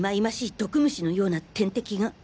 毒虫のような天敵が。